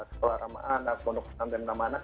sekolah sama anak pondok pesantren ramah anak